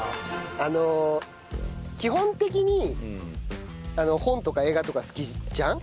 あの基本的に本とか映画とか好きじゃん。